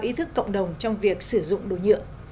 ý thức cộng đồng trong việc sử dụng đồ nhựa